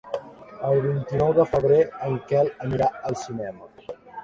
El vint-i-nou de febrer en Quel anirà al cinema.